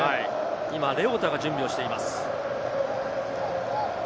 今、レオタが準備をしています。